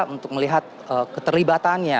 untuk melihat keterlibatannya